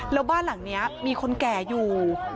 แล้วบ้านหลังนี้มีคนแก่อยู่